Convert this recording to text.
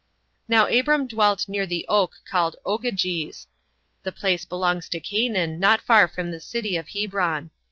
4. Now Abram dwelt near the oak called Ogyges, the place belongs to Canaan, not far from the city of Hebron.